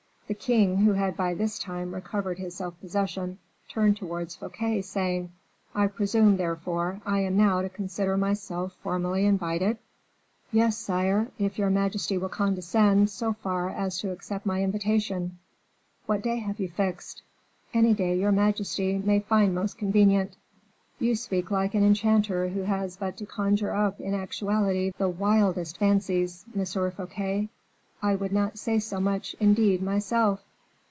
The king, who had by this time recovered his self possession, turned towards Fouquet, saying, "I presume, therefore, I am now to consider myself formally invited?" "Yes, sire, if your majesty will condescend so far as to accept my invitation." "What day have you fixed?" "Any day your majesty may find most convenient." "You speak like an enchanter who has but to conjure up in actuality the wildest fancies, Monsieur Fouquet. I could not say so much, indeed, myself."